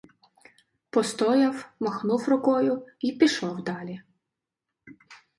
Постояв, махнув рукою й пішов далі.